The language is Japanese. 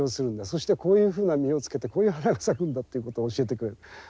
そしてこういうふうな実をつけてこういう花が咲くんだ」っていうことを教えてくれる。